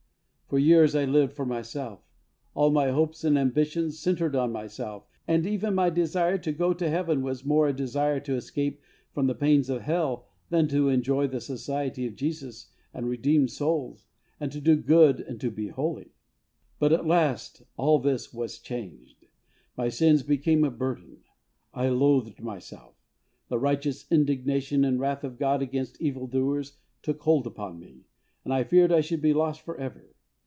For years I lived for myself. All my hopes and ambitions centered in myself ; 76 HEART TALKS ON HOLINESS. even my desire to go to Heaven was more a desire to escape from the pains of hell than to enjoy the society of Jesus and redeemed souls, and to do good and be holy. But at last all this was changed ! My sins became a burden. I loathed myself. The righteous indignation and wrath of God against evil doers took hold upon me, and I feared I should be lost for ever.